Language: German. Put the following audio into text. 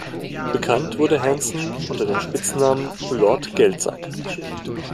Bekannt wurde Hanson unter dem Spitznamen "Lord Geldsack".